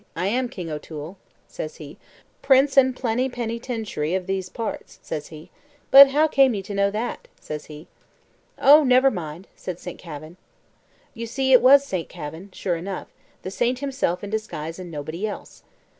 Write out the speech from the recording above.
"I am King O'Toole," says he, "prince and plennypennytinchery of these parts," says he; "but how came ye to know that?" says he. "Oh, never mind," says St. Kavin. You see it was Saint Kavin, sure enough the saint himself in disguise, and nobody else.